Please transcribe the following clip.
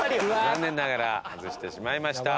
残念ながら外してしまいました。